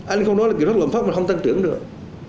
anh không nói là kiểm soát luận pháp mà không tăng trưởng được